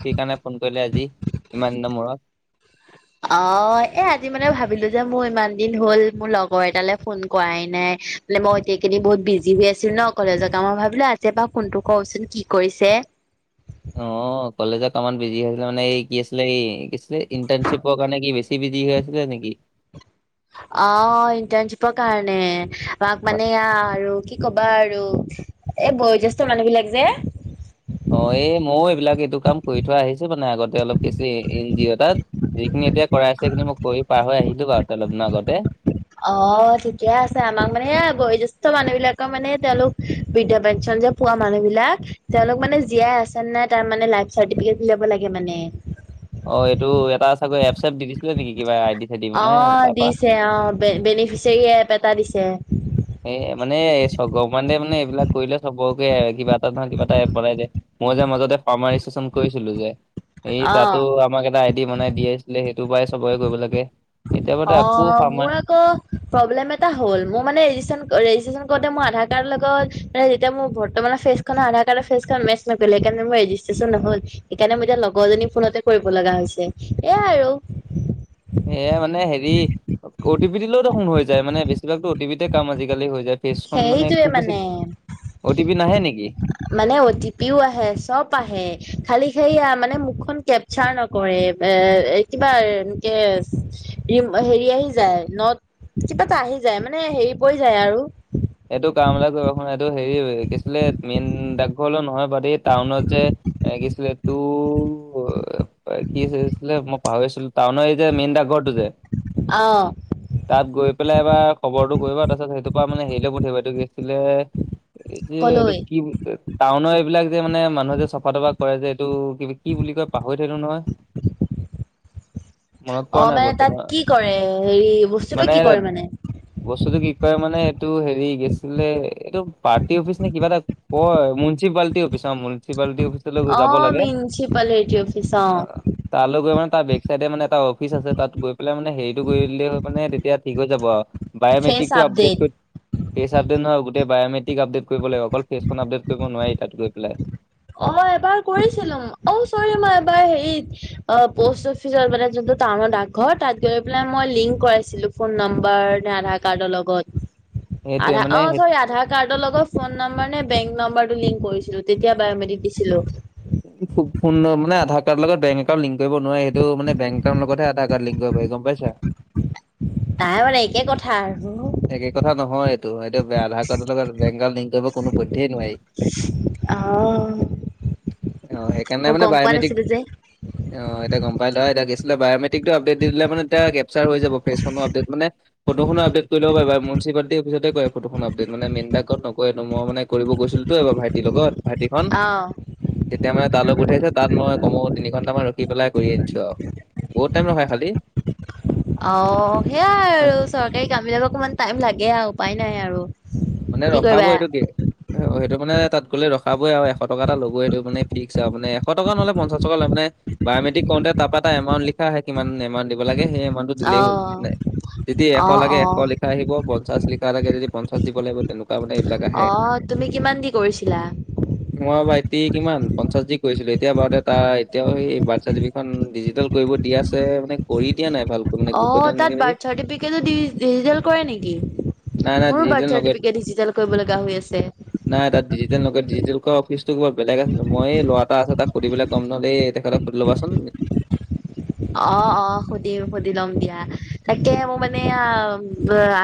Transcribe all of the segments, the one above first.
সেই কাৰণে ফোন কৰিলে আজি ইমান দিনৰ মূৰত। অ', এই আজি মানে ভাবিলো যে মোৰ ইমান দিন হ'ল মোৰ লগৰ এটালে ফোন কৰাই নাই। মই এতিয়াখিনি এইকিদিন বহুত বিজি হৈ আছিলো ন কলেজৰ কামত। মই ভাবিলো আছে বাৰু ফোনটো কৰোচোন কি কৰিছে। অ', কলেজৰ কামত বিজি হৈ আছিলে মানে এই কি আছিলে কি আছিলে ইণ্টাৰ্ণশ্বিপৰ কাৰণে কি [unintelligible] হৈ আছিলে নেকি? অ', ইণ্টাৰ্ণচিপৰ কাৰণে। আমাক মই- মানে এয়া আৰু কি কবা আৰু এই বয়োজেষ্ঠ মানুহবিলাক যে। অ', এই ময়ো এইবিলাক এইটো কাম কৰি থৈ আহিছো মানে আগতে অলপ কিচে এন জি অ' তাত। যিখিনি এতিয়া কৰাই আছে সেইখিন মই কৰি পাৰ হৈ আহিলো বাৰু [unintelligible] আগতে। অ', ঠিকে আছে, আমাক মানে বয়োজেষ্ঠ মানুহবিলাকৰ মানে তেওঁলোক বৃদ্ধা পেঞ্চন যে পোৱা মানুহবিলাক তেওঁলোক মানে জীয়াই আছে নাই তাৰ মানে লাইফ চাৰ্টিফিকেট উলিয়াব লাগে মানে। অ', এইটো এটা চাগৈ এপ চেপ দি দিছিলে নেকি কিবা আই দিত অ', দিছে অ' বেনিফিচিয়েৰী এপ এটা দিছে। এ মানে [unintelligible] মানে এইবিলাক কৰিলে চবকে কিবা এটা নহয় কিবা এটা এপ বনাই দিয়ে। মই যে মাজতে ফাৰ্মাৰ ৰেজিষ্ট্ৰেচন কৰিছিলো যে। এই তাতো অ', আমাক এটা আইডি বনাই দি আছিলে সেইটো পৰাই চবকে কৰিব লাগে। এতিয়া বাৰুতে আকৌ অ', ফাৰ্মাৰ মোৰ আকৌ প্ৰব্লেম এটা হ'ল মোৰ মানে ৰেজিচন ৰেজিষ্টেছন কৰোঁতে মোৰ আধাৰ কাৰ্ডৰ লগত মানে যেতিয়া মোৰ বৰ্তমানৰ ফেচ আধাৰ কাৰ্ড ফেজখন মেচ নকৰিলে সেইকাৰে মোৰ ৰেজিষ্ট্ৰেশচন নহ'ল। সেইকাৰণেই এতিয়া লগৰজনী ফোনতে কৰিব লগা হৈছে। এয়া আৰু। এ মানে হেৰি অ টি দিলেওঁ দেখোন হৈ যায় মানে বেছিভাগতো অ টি পিতে কাম আজিকালি হৈ যায়। ফেচখন মানে সেইটোৱে খুব বেছি মানে। অ' টি পি নাহে নেকি? মানে অ' টি পিও আহে চব আহে খালি সেয়া মানে মুখখন কে ছাৰ নকৰে এ কিবা এনকে হেৰি আহি যায় ন কিবা এটা আহি যায় মানে হেৰি পৰি যায় আৰু। এইটো কাম [unintelligible] এইটো হেৰি কি আছিলে মেইন ডাকঘৰলৈ নহয় গুৱাহাটী টাউনত যে এই কি আছিলে তোৰ কি আছিলে মই পাহৰি আছিলো টাউনৰ এই যে মেইন ডাকঘৰটো যে। অ'। তাত গৈ পেলাই এবাৰ খবৰটো কৰিবা তাৰপিছত সেইটোৰ পৰা মানে হেৰিলৈ পঠিয়াবা এইটো কি আছিলে এই যে এইটো কলৈ কি টাউনৰ এইবিলাক যে মানে মানুহে যে চফা তফা কৰে যে এইটো কিবা কি বুলি কয় পাহৰি থাকিলো নহয়। [inaudible] মনত পৰা অ', নাই মানে তাত বৰ্তমান কি কৰে হেৰি বস্তুটো কি কৰে মানে? বস্তুটো কি কৰে মানে এইটো হেৰি কি আছিলে এইটো পাৰ্টি অফিচ নে কিবা এটা কয় মিনিচিপালিটি অফিচ। অ', মিনিচিপালটি অফিচ অ', মিনচিপালিটি অফিচ অ'। তাৰলৈ গৈ মানে তাৰ বেক চাইডে মানে এটা অফিচ আছে মানে তাত গৈ পেলাই মানে হেৰিতো কৰিদিলে মানে তেতিয়া ঠিক হৈ যাব আৰু। বাইয়মেট্ৰিকটো আপডেট ফেচ আপডেট নহয় গোটেই বায়মেট্ৰিক আপডেট কৰিব লাগিব অকল ফেচখন আপডেট কৰিব নোৱাৰি তাত গৈ পেলাই। অ', এবাৰ কৰিছিলো অ' চৰি মই এবাৰ হেৰিত অ' প'ষ্ট অফিচ অফিচত মানে যোনটো টাউনৰ আাকঘৰ তাত গৈ পেলাই মই লিংক কৰাইছিলো ফোন নম্বৰ নে আধা কাৰ্ডৰ লগত। সেইটোৱে আধা মানে অ' চৰি আধাৰ কাৰ্ডৰ লগত ফোন নম্বৰ নে বেংক নম্বৰ লিং কৰিছিলো। তেতিয়া বায়মেট্ৰিক দিছিলো ফোন মানে আধাৰ কাৰ্ড লগত একাউণ্ট লিংক কৰিব নোৱাৰে সেইটো মানে বেংক একাউট লগতে আধাৰ কাৰ্ড লিংক গ পাই গম পাইছা তাই মানে একে কথা একে কথা নহয় এইটো এয়া বে আধাৰ কাৰ্ডৰ লগত বেংক লিংক কৰিব কোনো পধ্যেই নোৱাৰি অ অ সেইকাৰণে মানে বায়মেট্ৰিক নাছিলো যে অ এতিয়া গম পাই ল এতিয়া বায়মেটিক আপডেট দি দিলে মানে কেপচাৰ হৈ যাব, ফেচখনো আপডেট মানে ফটোখন আপডেট। ল মউনচিপিটি অফিচতে কৰে ফটোখন আপডেট মে মেইনতাকত নকয় মই মে,। কৰিব গৈছিলোতো এইবাৰ ভাইটিৰ লগত ভাইটিখন। অ'। তেতিয়া মানে তালৈ পঠাইছে তাত মই কমো তিনি ঘন্টামান ৰখি পেলাই কৰি আনিছো আৰু বহুত টাইম নহয় খালী। অ, সেইয়াই আৰু খালি চৰকাৰী কাম বিলাকক অকমান টাইম লাগে আৰু উপায় নাই আৰু, মানে কি কৰিবা ৰখাবোৰ সটো কি? অ সেইটো মানে তাত গ'লে ৰখাবই, আৰু এশ টকা এ ল'বই সেইটো মানে ফিক্স আৰু মানে। ছ টকা নহলে পঞ্চা টকা ল মে বায়োমেট্ৰিকওঁতে তাৰা এমউণ্ট লিখাে কিমান এমউণ্ট। দিব লাগে সেই ইমাউন্ট টো দিলেই হ'ল অ', নাই যদি এশ অ', লাগে এশ অ', লা আহিব পঞ্চাশ লিখা থাকে যদি পঞ্চাশ,। দিব লাগিব তেনেকুৱা ব এইবিলাক আহে অ', তুমি কিমান দি কৰিছিলা? মই ভাইটি কিমান পঞ্চাশ জি কৰিছিলোঁ এতিয়া বাৰু দে তাৰ এতিয়াও সেই বা। খন ডিজিটেল কৰিব দিয়াছে মানে কৰি দিয়া নাই। ভালকৈ মানে অ গুৰুত্ব দিয়া নাই তাত নেকি বাৰ্থ চাৰ্টিফিকেট ডিজিটেল কৰে নেকি নাই নাই মোৰ বা? ডিজিটেল নকৰে ট ডিজিটেল কৰিব লগা হৈ আছে। নাই তাত ডিজিটেল নকয় ডিজিটেল কৈ অফিচটো কিবা বেলেগ আছিল, মই এই লৰা এটা আছে তাক সুধিবলৈ কম নহ দেই তেখেতক সুধিলবা চোন! অ-অ সুধিম সুধি লম দিয়া তাকে মোৰ মানে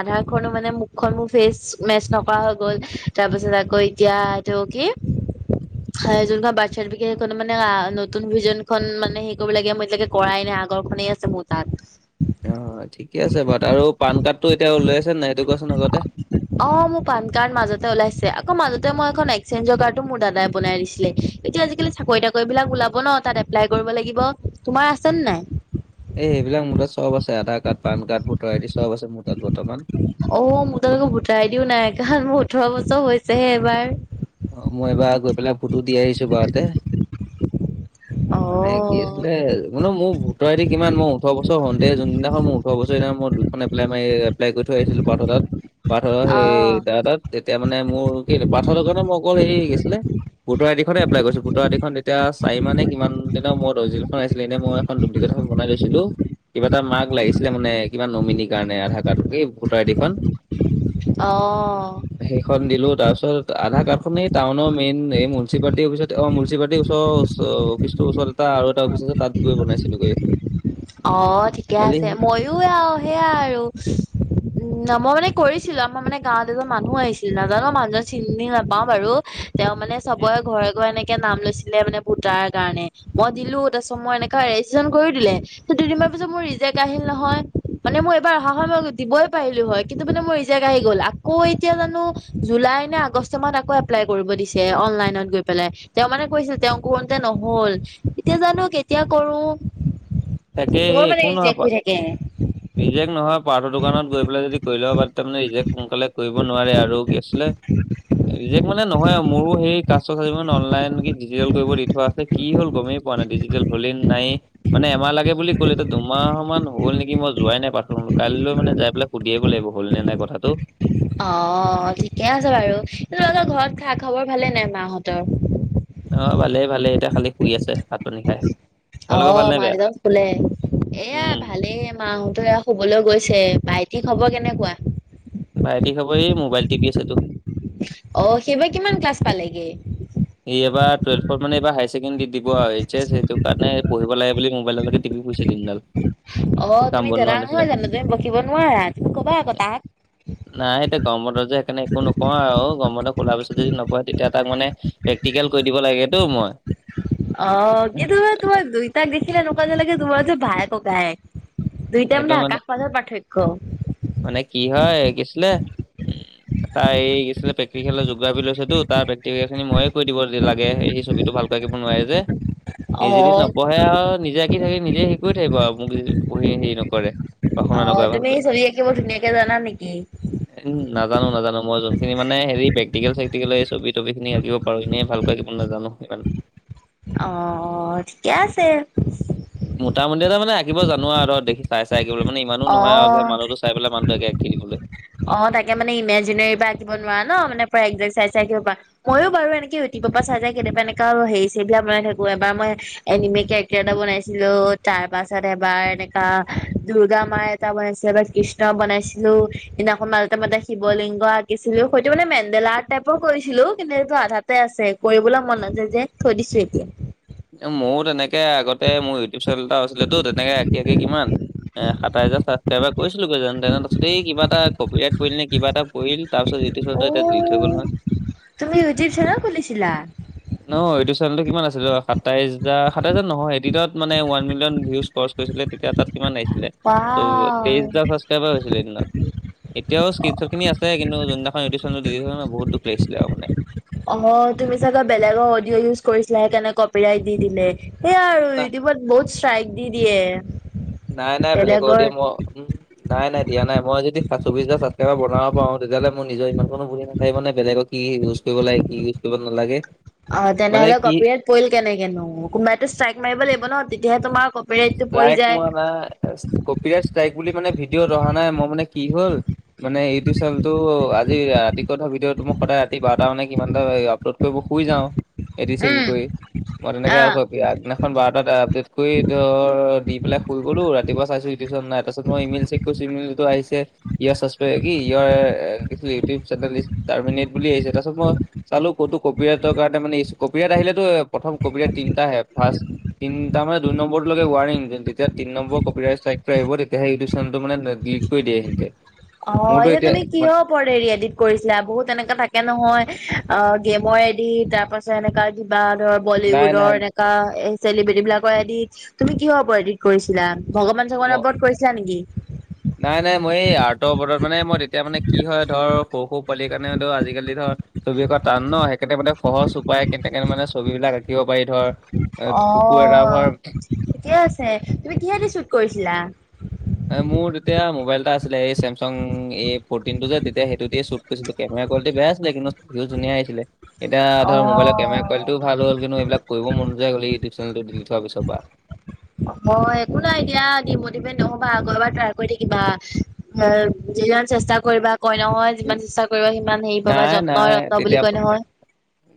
আধাৰখনো মানে মোক। খ মোৰ ফেচ-মেচ নকৰা হৈ গ'ল তাৰ পিছত আকৌ এতিয়া এইটো কি! হয়, যোনখন বাৰ্ত চাৰ্টিফিকেট সেইখন মানে নতুন ভিজনখন মানে হেই কৰিব লাগে মই এতিয়ালৈকে কৰাই নাই আগৰখনেই আছে মোৰ তাত। অ ঠিকে আছে বাৰু আৰু পান কাৰ্ড টো এতিয়া উওলাই আছে নাই সেইটো কোৱাচোন আগতে? অ, মোৰ পান কাৰ্ড মাজতে ওলাইছে আকৌ মাজতে মই এখন এক্সেঞ্জৰ কাৰ্ডো মোৰ দাদাই বনাই দিছিলে। এতিয়া আজিকালি চাকৰি তাকৰি বিলাক ওলাব ন তাত এপ্লাই কৰিব লাগিব তোমাৰ আছেনে নাই? এই সেইবিলাক মোৰ তাত চব আছে Aadhaar card PAN card, voter I D চব আছে মোৰ তাত বৰ্তমান। অ, মোৰ তাত আক ভোটাৰ আই দিও নাই কাৰণ মোৰ ওঠৰ বছৰ হৈছেহে এবাৰ। অ মই এইবাৰ গৈ পেলাই ফটো দি আহিছো বাৰুতে মানে কি অ'। আছিলে মানে মোৰ ভোতৰ আই ডি কিমান মই ওঠৰ বছৰ হ, ল। যোনদিনা মোৰ ওঠৰ বছৰ দিনা মই দুখন এপ্লাই -এপ্লাই কৰি থৈ আহিছিলো পাৰ্থতাত। পাৰ্থ সেই অ', তা তাত এতিয়া মানে মোৰ কি পাৰ্থ দোকানৰ মোৰ অকল হেৰি কি হৈছিলে? ভোটৰ আইডি খনে এপ্লাই কৰিছো ভোটৰ আই দি খন,। এতিয়া চাৰি মানে কিমান দিনৰ মই দৰ্জিল এখন আছিলে এনেই মই এখন ডুবলিকেট এখন বনাই লৈছিলো। কিবা এটা মাৰ্ক লাগিছিলে মানে কিবা নমিনীৰ কাৰণে আধাৰ কাৰ্ড এই ভোটাৰ আই ডি খন। অ সেইখন দিলো তাৰপিছত আধা। খনে এই টাউনৰ মেইন এই মুউনচিপাটি অফিচত অ মুউনচিপাটি ওচৰ অফিচৰ ওচ,। এটা আৰু এটা অফিচ আছো তাত গৈ বনাইছিলোঁগৈ,। অ ঠিকে আছে ময়ও আৰু সেয়া আৰু। উম ন মই মানে কৰিছিলো আমাৰ মানে গাঁৱ এজনোৰ মানুহো আহিছিল নাজানো মানুহজন চিনি নাপাওঁ বাৰু। তেওঁ মানে চবৰে ঘৰে ঘৰে এনেকে নাম লৈছিলে মানে। তাৰ কাৰণে মই দিলো তাৰপিছত মই এনেককাা ৰেজিষ্ট্ৰেশচন কৰি দিলে। দুদিনমান পিছত মোৰ ৰিজেক্ট আহিল নহয় মানে মই এইবাৰ অহা হয় মই দিবই পাৰিলো হয় কিন্তু মানে মই - এতিয়া আহি গ'ল আকৌ এতিয়া জানো জুলাই নে আগষ্ট মাহত আকৌ এপ্লাই কৰিব দিছে অনলাইনত গৈ পেলাই। তেওঁ মানে কৈছিল তেওঁ কৰোতে নহল এতিয়া জানো কেতিয়া কৰো। তোমাৰ মানে ৰিজেক্ট হৈ থাকে। নিজক নহয় পাহটোৰ দোকানত গৈ পেলাই যদি কৰি লব- তাৰ মানে ৰিজেক সোনকালে কৰিব নোৱাৰে আৰু কি আছিলে- ৰিজেক মানে নহয় আৰু মোৰো সেই কা চি মানে- অনলাইন ডিজিটেল কৰিব দি থোৱা আছে কি হ'ল গমেই পোৱা নাই ডিজিটেল হলে নাই। মানে এমাহ লাগে বুলি ক'লে টো দুমাহ মান হ'ল নেকি মই- যোৱাই নাই পাথ কাইলৈ মানে যাই পেলাই সুধিয় আহিব লাগিব হল নে নাই কথাটো। অ ঠিকে আছে বাৰু, তোৰ ঘৰত খা খাবৰ ভালে নাই মাহঁতৰ? অ ভালেই ভালেই এতিয়া খালি শুই আছে ভাত পানী খাই। অ তোমালোকৰ ভাল নে মা বেয়া? দেউতাৰ শুলে এয়া উম, ভালেই। মাহতো এয়া শুবলৈ গৈছে, ভাইঠিক খবৰ হব কেনেকুৱা? ভাইটি খবৰ এই মোবাইল টিপি আছে এইটো। অ সেইবাৰ কিমান ক্লাছ পালেগে? এই এইবাৰ টুৱেল্ভৰ মানে এইবাৰ হায়াৰ ছেকেণ্ডেৰী দিব হৈছে সেইটো কাৰণে- পঢ়িব লাগে বুলি মোবাইললৈকে টিপি ফুৰিছে দিনডাল। অ কাম তুমি বন জানা নোহোৱা নিচিনা। নহয় জানো তুমি বকিব নোৱাৰা তুমি ক'বা আকৌ তাত। নাই এতিয়া গমত যে সেইকাৰণে একো নকোৱা আৰু গমত- খলাৰ পিছত যদি নপৰে তেতিয়া তাক মানে প্ৰেক্টিকেল কৰি দিব লাগেতো মই। অ কিন্তু তোমাৰ দুইটাক দেখিলে এনেকুৱা নালাগে তোমাৰতো ভায়ে ককায়ে- দুইটা মানে আকাশ পাতালৰ পাৰ্থক্য। মানে কি হয় গৈছিলে উম, তাই এই গৈছিলে- খেললে যোগৰাফি লৈছেতো তাৰ ব্যক্তিগ খিনি ময়ে কৈ দিব লাগে সেই ছবিটো ভালকৈাকিব নোৱাৰে যে। এই অ যদি নপঢ়ে আৰু নিজ কি থাকে নিজে শিক থাকিব আৰু মোক পঢ়ি হেৰি নকৰে। অ পঢ়া-শুনা নকৰে তুমি ভালকৈ। চবি আঁকিব ধুনীয়াকে জানা নেকি? নাজানো নাজানো মই যোনখিনি মানে প্ৰেক্টিকেল চেক্টিকেল ছবি তবি খিনি আঁকিব - পাৰো এনে ভালকৈ আকিব মানে নাজানো ইমান। অহ ঠিকে আছে। মোটামুটি এ মানে আঁকিব জান আৰু দেখি চাই চাই আঁকিবলৈ মানে ইমানো নহয় আৰু যে অ মানুহতো- চাই পেলাই মানুহকে একে আকি দিবলৈ। অ তাকে মানে ইমেজিনেৰ পৰা আকিব নোৱাৰা ন মানে প একাইজ আকিব পৰা। ময়ো বাৰু এনেকে ইউটিউব পা চাই কেতিয়াবা এনেকা আৰু হেৰি ছেৰি বিলাক বনাই থাকো এবাৰ মই- এনিমি কেৰেক্টাৰ এটা বনাইছিলো তাৰ পাছত এবাৰ এনেকা দূৰ্গা মায়- বনাইছিলো কৃষ্ণ বনাইছিলো। সদিনাখন মাজ মতে শিৱলিংগ আঁকিছিলো হয়েইটো মানে মেন্দেলা টাইপৰ কৰিছিলো কিন্তু এইটো আধা তে আছে কৰিবলৈ মন নাযায় যে থৈ দিছো এতিয়া। মোৰো তেনেকে আগতে মোৰ ইউটিউব চেনেল এটা আছিল তো তেনেকে আঁকি আঁকি কিমান- এ সাতাই হাজাৰ ছাবক্ৰাইবাৰ কৰিছিলোগৈ যেন তেনে তাছত এই কিবা এটা কপি ৰাইট পৰিল নে কিবা এটা পৰিল- তাৰ পিছত অ এতিয়া দি থৈ গল নহয়। তুমি য়ুতুপ চেনেল খুলিছিলা। ন ইওটুব চেনেলটো কিমান আছিল সাত সাতাই নহয় এদিনত মানে ৱান মিলিয়ন ভিউজ- কৰছ কৰিছিলে তেতিয়া তাত কিমান আহিছিলে? ত' তেইছ ৱাও হাজাৰ ছাবছকাইবাৰ হৈছিলে সেইগিনাত। এতিয়াও স্কিনচট খিনি আছে কিন্তু, যোনদিনাখন ইউটুব দিলিত হৈ গ'ল ন বহুত দুখ লাগিছিলে আও মানে। অঁ' তুমি চাগে বেলেগৰ অডিঅ ইউজ কৰিছিলা সেইকাৰণে, কপি ৰাইট দি দিলে। সেইয়া আৰু না ইউটিউবত বহুত ষ্ট্ৰাইক দি দিয়ে। নাই নাই বেলেগৰ অডিঅ' ম উম'। নাই নাই দিয়া নাই। মই যদি ছা চৌবিছহাজাৰ বনাব পাওঁ তেতিয়াহলে মই নিজৰ ইমান কনো বুদ্ধি নাকিব নে বেলেগত- কি ইউজ কৰিব লাগে কি ইউজ কৰিব নালাগে। অ' মানে তেনেহলে কি কপিৰাইত পৰিল কেনেকেনো কোনোবাইো ষ্ট্ৰাইক মাৰিব লাগিব ন তেতিয়াহে তোমাৰ ক- লাইক মৱা নাই কপিৰাছ ষ্টাইক বুলি মানে ভিডিঅ'ত অহা নাই মোৰ মানে কি হ'ল? মানে ইউটিউব চেনেলটো আজি ৰাতি কৈ থৱা ভিডিঅ'টো ময় সদায় ৰাতি বাৰটা মানে কিমানটা আপলোড- কৰি ময় শুই যাওঁ এডিদ চেডিদ উম, কৰি মই তেনেকে আহ। আগদিনাখন বাৰটাত আপডেট কৰি- ত' দি পেলাই শুই গলো ৰাতিপুৱা চাইছো ইউদিচন নাই তাৰ পাছত মই ইমেইল চেক কৰিছো ইমেইলতো আহিছে ত- ইয় চাছপে ইয়ৰ ইউটিউব চেনেল টাৰমেনেত বুলি আহিছে। তাৰ পাছত মই চালো- ক'তো কপিৰাটৰ কাৰণে মানে ইছ কপিৰাত আহিলেটো প্ৰথম কপিৰাইত তিনটা আহে। ফাৰ্চ তিনটা মানে দুট- নম্বৰটোলেকে উৱানিং যেতিয়া তিন নম্বৰ কপিৰাইটষ্টাইকটো আহিব তেতিয়াহে ইউটোব চেনেলটো মানে ডিলেট কৰি দিয়ে সিতে। অঁ, এনেই তুমি কিয়? কৰেই এডিত কৰিছিলা বহুত এনেকা থাকে নহয় অঁ গেমৰ এডিত তাৰ পাছত- যে এনেকা কিবা ধৰ- নাই বলিউডৰ নাই এনেকা এ চেলিব্ৰিদি বিলাকৰ আইডি তুমি কিহৰ উপত এডিট কৰিছিলা? ভগৱান ম চগৱানৰ ওপৰত কৰিছিলা নেকি? নাই নাই মই এই আৰ্টৰ উপৰত মানে মই তেতিয়া মানে কি হয়, ধৰ সৰু সৰু পোৱালিৰ কাৰণে ধৰ আজিকালি ধৰ- ছবি আঁকা টান ন, হেকানে মানে সহজ উপায় কেনেকে মানে ছবি বিলাক আঁকিব পাৰি- ধৰ এ কুকুৰ এগা অ'। ভৰ- ঠিকে আছে, তুমি কিহেদি ছোট কৰিছিলা? এ মোৰ তেতিয়া মোবাইল এটা আছিলে এই চেমচং এ ফটিন টো যে তেতিয়া সেইটো দিয়ে চব- কৈছিলো কেমেৰা কোৱালিটি বেয়া আছিল কিন্তু ভিউচ ধুনীয়া আহিছিলে। এতিয়া অ ধৰ মোবাইলৰ কেমৰা কোৱালিটিও ভাল হ'ল, কিন্তু এইবিলাক কৰিব মন নোযোৱা হৈ গ'ল এই ইউিউব চেনেলটো দিলিত হৈ যোৱা পিছৰ পৰা। অঁ' একো নাই দিয়া। ডিমটিভেট নহবা ক'ৰবাত এবাৰ ট্ৰাৰ কৰি থাকিবা। এ যিমান চেষ্টা কৰিবা কয় নহয়- উম, যিমান চেষ্টা কৰিবা সিমান হেৰি পাবা নাই যত্নই নাই ৰত্ন তেতিয়া বুলি কয় নহয়।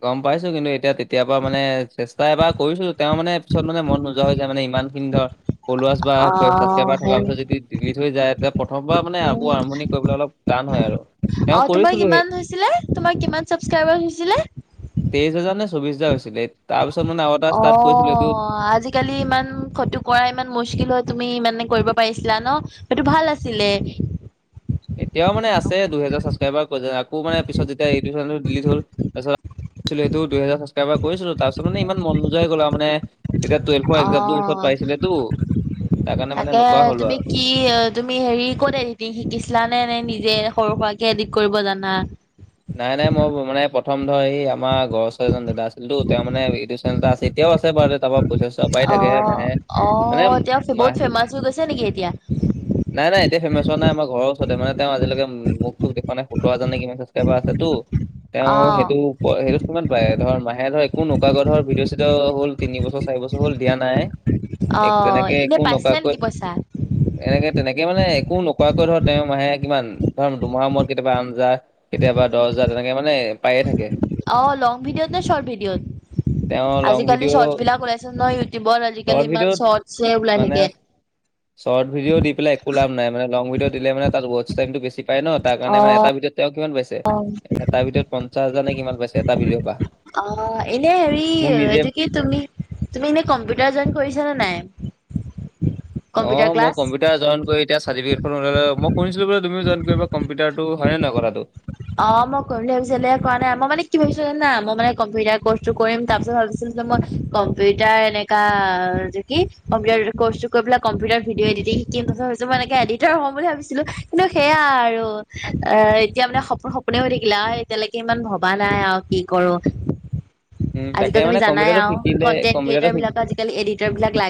গম পাইছো কিন্তু, এতিয়া তেতিয়া পৰা মানে চেষ্টা এবাৰ কৰিছো তেওঁৰ মানে পিছত মানে মন নোযোৱা হৈ যায় মানে ইমান- ইন্দ- ফলুৱাচবা অ চাচকাইবাৰ থকাৰ সেই পিছত যদি ডিলিত হৈ যায় তে প্ৰথমবাৰ মানে আকৌ উম আৰম্ভি কৰিবলে অলপ- টান হয় আৰু তেওঁ কৰিছিলো সেই- ছিলে তোমাৰ কিমান চাস্ক্ৰাইবাৰ হৈছিলে? তেইশ হাজাৰ নে চৌবিশ হাজাৰ হৈছিলে। তাৰ পিছত মানে আও এটা ইষ্টাত কৰিছিলো এইটো- কালি ইমান ফটো কৰা ইমান মুস্কিল হয় তুমি ইমানে কৰিব পাৰিছিলা ন সেইটো ভাল আছিলে। এতিয়াও মানে আছে দুহেজাৰ চাছ- তাবা ক আকৌ মানে পিছত যেতিয়া ইউটোব চেনেলটো ডিলিত হ'ল তাৰপাছত এটো দুহেজা চাছ কাইব- এবাৰ কৰিছিলো তাৰপাছত মানে ইমান মন নোযোৱা হৈ গ'ল আৰু মানে তেতিয়া টুৱেল্ভৰ এক্জামটো ওচৰত অ পাইছিলেতো। তাৰ কাৰণে মানে তাকে নোকোৱা হ'লো তুমি আও। কি তুমি হেৰি ক'ত এডিটিং শিকিছিলানে নে নিজে সৰু সুৰাকে এডিট কৰিব জানা? নাই নাই মই ব মানে প্ৰথম ধৰ এই আপ- আমাৰ ঘৰ ওচৰে এজন দা আছিলতো তেওঁ মানে ইউটোব চেনেল এটা আছে এতিয়াও আছে বাৰু তাৰ পৰা পইচা - চইচা পাই থাকে অ', মাহে। অ মানে তেওঁ বহুত মাহে ফেমাচ হৈ গৈছে নেকি এতিয়া? নাই নাই এতিয়া ফেমাছ হোৱা নাই আমাৰ ঘৰ ওচৰতে মানে তেওঁ আজিলৈকে মোক চোক দেখুৱা নাই সোতৰ হাজাৰ নে কিমান তেতিয়াপা আছে টো। তেওঁ অ', সেইটো সেইটোত কিমান পায় ধৰ মাহে ধৰ একো নোকাৱাকৈ ধৰ ভিডিঅ' চিঅ' হ'ল তিনি বছৰ চাৰি বছৰ হ'ল দিয়া নাই এক অ', তেনেকে এনে একো পাইছিলা নোকোৱাকৈ নেকি পইচা? এনেকে তেনেকে মানে একো নকোৱাকৈ ধৰ তেওঁৰ মাহে কিমান ধৰ দুমাহৰ মূৰত কেতিয়াবা আঠ হাজাৰ। কেতিয়াবা দজ হাজাৰ তেনেকে মানে পায়ে থাকে। অ লং ভিডিঅত নে চৰ্ট তেওঁ ভিডিঅত, লং আজিকালি ভিডিঅ' শৰ্ট বিলাক ওলাইছে ন ইউটিউব। চৰ্ট আজিকালি ইমান ভিডিঅ'ত চৰ্ট জে ওলাই মানে থাকে। শৰ্ট ভিডিঅ' দি পেলাই একো লাভ নাই মানে লং ভিডিঅ' দিলে মানে উছ টাইমটো বেছি পাই ন তাৰ কাৰণে মানে অ', এটা ভিডিঅ'ত তেওঁ কিমান পাইছে? এটা ভিডিঅ'ত পঞ্চাছ হাজাৰ নে কিমান পাইছে এটা ভিডি'অ পৰা। অ', এনে হেৰি মোক নিজে এইটো কি? তুমি এনেই কম্পিউটাৰ জইন কৰিছা নে নাই? অ কম্পিউটাৰ মই ক্লাছ? কম্পিউট কম্পিউটাৰ জই কৰি এতিয়া চাৰটিপিকেট খন উলাই লবা, মই কৰিছিলোঁ বাৰু তুমি জই কৰিবা কম্পিউটাৰটো হয় নে নহয় কথাটো? অ মই কৰিম বুলি ভাবিছিলোঁ, এ কৰা নাই মই মানে কি ভাবিছো যানা মই মানে কম্পিউটাৰ কৰ্চটো কৰিম তাৰপিছত ভাবিছোঁ মই কম্পিউটাৰ এনেকা কি কম্পিউটাৰ কৰ্চটো কৰি পেলায়। কম্পিউটাৰ ভিডিঅ এডটিং শিকিম তাৰপিছত মই এনেকে এডিটাৰ হম বুলি ভাবিছিলোঁ কিন্তু সেয়া আৰু। অ এতিয়া মানে স মোৰ সপোনে হৈ থাকিলে আৰু এতিয়ালৈকে ইমান ভবা নাই আৰু কি কৰোঁ। উম তাকে আজিকালি তুমি মানে জানাই কম্পিউটাৰটো আৰু শিকিলে কন্টেন্ট কম্পিউটাৰটো ক্ৰিয়েটাৰ শি বিলাক আজিকালি এডিটৰ বিলাক লাগে।